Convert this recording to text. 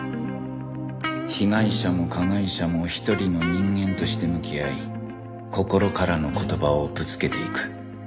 被害者も加害者も一人の人間として向き合い心からの言葉をぶつけていく